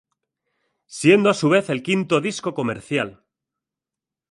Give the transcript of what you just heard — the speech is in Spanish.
Siendo a su vez el quinto disco comercial.